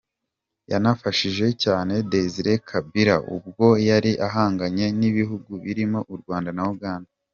Yanafashije cyane Desiré Kabila ubwo yari ahanganye n’ibihugu birimo u Rwanda na Uganda.